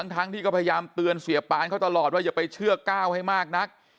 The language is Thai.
ทั้งที่ก็พยายามเตือนเสียปานเขาตลอดว่าอย่าไปเชื่อก้าวให้มากนัก